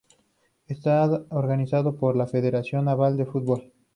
Está organizado por la Federación Navarra de Fútbol.